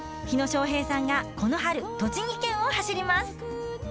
火野正平さんがこの春、栃木県を走ります。